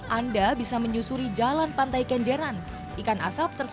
banyak jika ingin berburu ikan ikan asapnya harus memiliki banyak jika ingin berburu ikan ikan asapnya harus